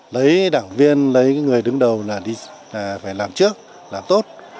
lấy đảng viên lấy người đứng đầu là đi phải làm trước làm tốt